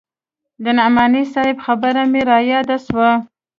د نعماني صاحب خبره مې راياده سوه.